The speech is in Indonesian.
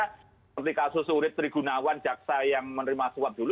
seperti kasus surit pergunawan jaksa yang menerima swab dulu